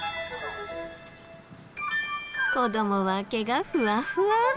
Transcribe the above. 子どもは毛がふわふわ。